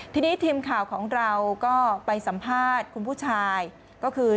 ทีนี้ทีมข่าวของเราก็ไปสัมภาษณ์คุณผู้ชายก็คือ